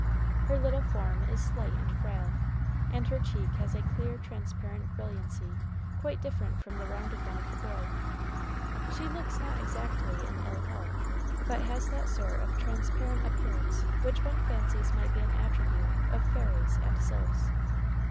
Her little form is slight and frail, and her cheek has a clear transparent brilliancy quite different from the rounded one of the boy; she looks not exactly in ill health, but has that sort of transparent appearance which one fancies might be an attribute of fairies and sylphs.